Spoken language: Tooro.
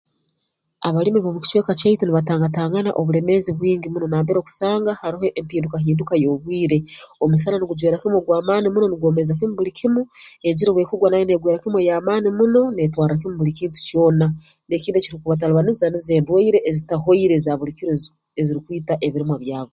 Abalimi b'omu kicweka kyaitu nibatangatangana obulemeezi bwingi muno nambere okusanga haroho empindukahinduka y'obwire omusana nugujwera kimu ogw'amaani muno nugwomeeza kimu buli kimu ejura obu ekugwa nayo neegwera kimu ey'amaani muno netwarra kimu buli kintu kyoona n'ekindi ekirukubatalibaniza nizo endwaire ezitahoire eza buli kiro ezirukwita ebirimwa byabo